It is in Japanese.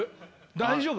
大丈夫。